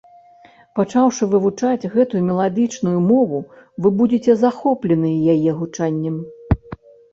Пачаўшы вывучаць гэтую меладычную мову, вы будзеце захопленыя яе гучаннем.